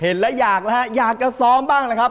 เห็นแล้วอยากนะฮะอยากจะซ้อมบ้างนะครับ